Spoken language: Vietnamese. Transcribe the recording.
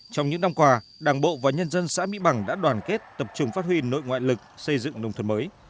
trong những năm qua đảng bộ và nhân dân xã mỹ bằng đã đoàn kết tập trung phát huy nội ngoại lực xây dựng nông thuận mới